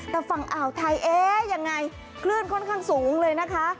แต่ฝั่งอ่าวไทยคลื่นค่อนข้างสูงเลยนะคะ